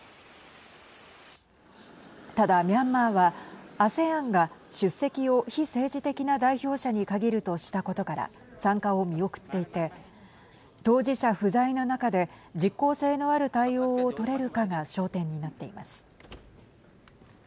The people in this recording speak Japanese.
ただ、ミャンマーはＡＳＥＡＮが出席を非政治的な代表者に限るとしたことから参加を見送っていて当事者不在の中で実効性のある対応を取れるかが焦点になっています。